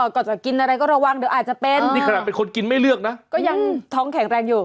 ก่อนจะกินอะไรก็ระวังเดี๋ยวอาจจะเป็นนี่ขนาดเป็นคนกินไม่เลือกนะก็ยังท้องแข็งแรงอยู่